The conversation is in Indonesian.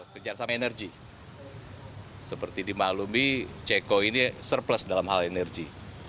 kerjasama energi seperti dimaklumi ceko ini surplus dalam hal energi